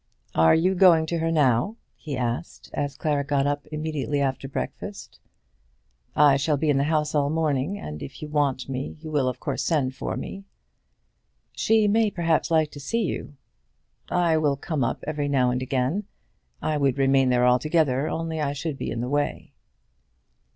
"Are you going to her now?" he asked, as Clara got up immediately after breakfast. "I shall be in the house all the morning, and if you want me you will of course send for me." "She may perhaps like to see you." "I will come up every now and again. I would remain there altogether, only I should be in the way."